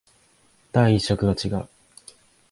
第一色が違う